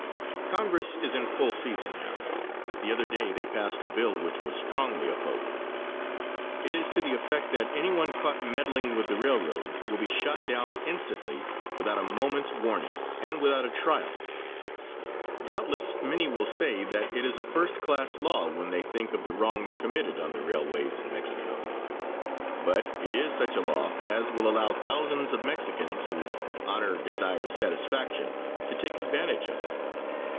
Congress is in full session now. The other day they passed a bill which was strongly opposed. It is to the effect that any one caught meddling with the railroads will be shot down instantly without a moment's warning, and without a trial. Doubtless many will say that it is a first class law when they think of the wrongs committed on the railways in Mexico. But it is such a law as will allow thousands of Mexicans whose "honor desires satisfaction" to take advantage of it.